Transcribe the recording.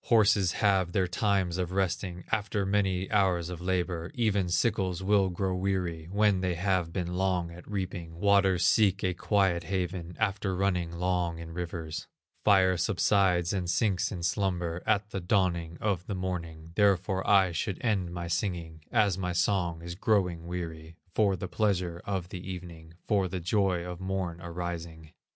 Horses have their times of resting After many hours of labor; Even sickles will grow weary When they have been long at reaping; Waters seek a quiet haven After running long in rivers; Fire subsides and sinks in slumber At the dawning of the morning; Therefore I should end my singing, As my song is growing weary, For the pleasure of the evening, For the joy of morn arising.